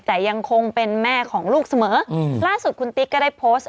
แต่ยังคงเป็นแม่ของลูกเสมอล่าสุดคุณติ๊กก็ได้โพสต์